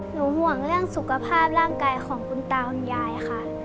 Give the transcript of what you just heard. ห่วงเรื่องสุขภาพร่างกายของคุณตาคุณยายค่ะ